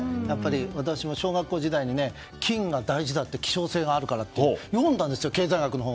私も小学校時代に、金が大事だ希少性があるからって読んだんですよ、経済学の本。